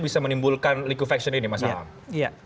bisa menimbulkan liquefaction ini masalah